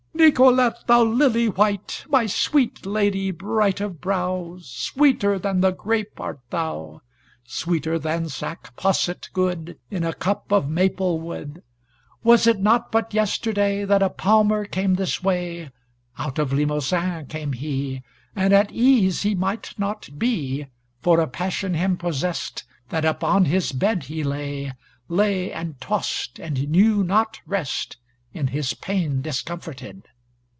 "Nicolete, thou lily white, My sweet lady, bright of brow, Sweeter than the grape art thou, Sweeter than sack posset good In a cup of maple wood! Was it not but yesterday That a palmer came this way, Out of Limousin came he, And at ease he might not be, For a passion him possessed That upon his bed he lay, Lay, and tossed, and knew not rest In his pain discomforted.